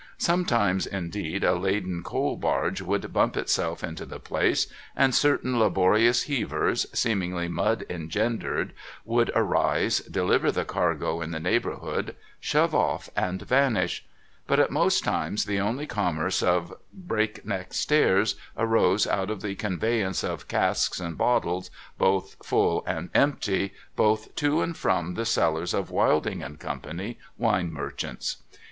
Sometimes, indeed, a laden coal barge would bump itself into the place, and certain laborious heavers, seemingly mud engendered, would arise, deliver the cargo in the neighbourhood, shove off, and vanish ; but at most times the only commerce of Break Neck Stairs arose out of the conveyance of casks and bottles, both full and empty, both to and from the cellars of Wilding and Co., Wine Merchants.